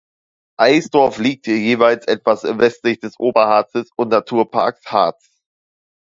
Eisdorf liegt jeweils etwas westlich des Oberharzes und Naturparks Harz.